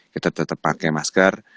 kita tetap pakai masker